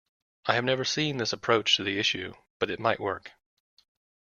I have never seen this approach to this issue, but it might work.